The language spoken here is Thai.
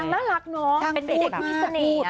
น้องน่ารักน้องเป็นเด็กพี่เสนีย